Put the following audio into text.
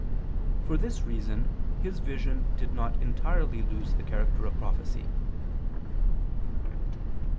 For this reason his vision did not entirely lose the character of prophecy.